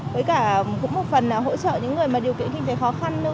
với cả cũng một phần là hỗ trợ những người mà điều kiện kinh tế khó khăn